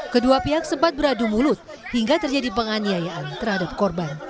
kedua pihak sempat beradu mulut hingga terjadi penganiayaan terhadap korban